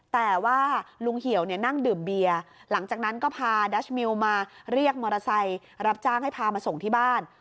แต่ว่าลุงเหี่ยวเนี่ยนั่งดื่มเบียร์หลังจากนั้นก็พาดัชมิวมาเรียกมอเตอร์ไซค์รับจ้างให้พามาส่งที่บ้าน